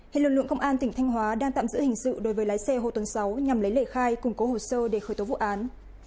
hệ lực lượng công an tỉnh thanh hóa đang tạm giữ hình sự đối với lái xe hồ tuấn sáu nhằm lấy lời khai củng cố hồ sơ để khởi tố vụ án